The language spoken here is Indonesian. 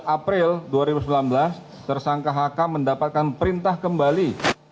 april dua ribu sembilan belas tersangka hk mendapatkan perintah kembali